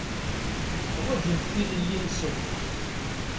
Ḥwaǧent tilelli-nsent.